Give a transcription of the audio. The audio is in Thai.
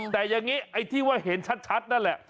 แต่อย่างนี้ไอ้ที่ว่าเห็นชัดนั่นแหละ